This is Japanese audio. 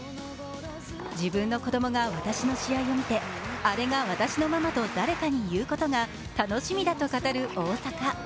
自分の子供が私の試合を見てあれが私のママと誰かに言うことが楽しみだと語る大坂。